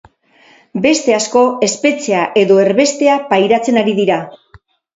Beste asko espetxea edo erbestea pairatzen ari dira.